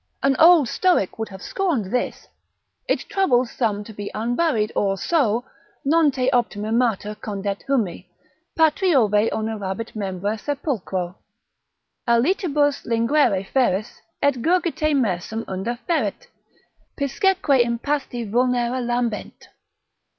An old stoic would have scorned this. It troubles some to be unburied, or so: ———non te optima mater Condet humi, patriove onerabit membra sepulchro; Alitibus linguere feris, et gurgite mersum Unda feret, piscesque impasti vulnera lambent.